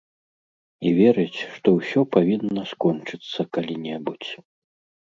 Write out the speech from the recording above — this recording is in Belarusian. І верыць, што ўсё павінна скончыцца калі-небудзь.